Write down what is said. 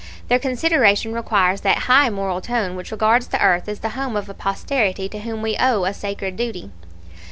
Their consideration requires that high moral tone which regards the earth as the home of a posterity to whom we owe a sacred duty.